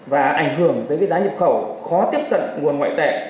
và ảnh hưởng tới cái giá nhập khẩu khó tiếp cận nguồn ngoại tệ